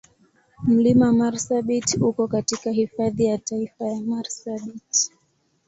Mlima Marsabit uko katika Hifadhi ya Taifa ya Marsabit.